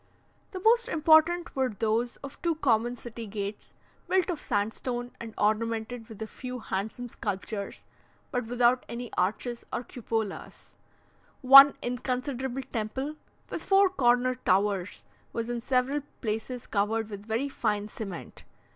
The most important were those of two common city gates, built of sandstone and ornamented with a few handsome sculptures, but without any arches or cupolas. One inconsiderable temple, with four corner towers, was in several places covered with very fine cement.